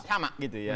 sama gitu ya